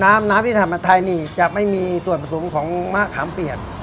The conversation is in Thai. น้ำน้ำที่ทำมาไทยนี่จะไม่มีส่วนผสมของมะขามเปียก